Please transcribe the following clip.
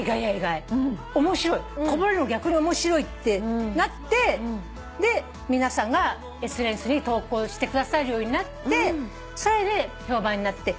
こぼれるの逆に面白いってなってで皆さんがＳＮＳに投稿してくださるようになってそれで評判になって。